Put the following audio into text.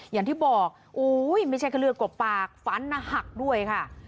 อย่างที่บอกโอ้ยไม่ใช่แค่เลือดกบปากฟันหักด้วยค่ะ